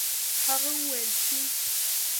هغه وویل چې